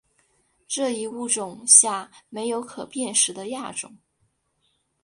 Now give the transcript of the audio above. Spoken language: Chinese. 这一物种下没有可辨识的亚种。